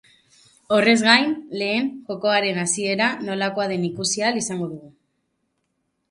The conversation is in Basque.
Horrez gain, lehen jokoaren hasiera nolakoa den ikusi ahal izango dugu.